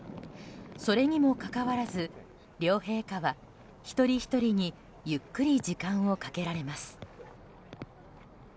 それにもかかわらず両陛下は、一人ひとりにゆっくり時間をかけられます。